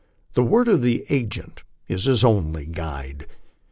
The word of the agenl is his only guide.